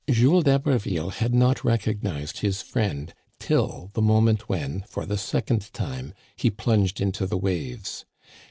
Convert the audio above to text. Jules d'Haberville had not recognized his friend till the moment when, for the second time, he plunged into the waves.